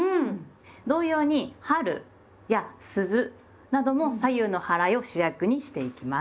同様に「春」や「鈴」なども左右のはらいを主役にしていきます。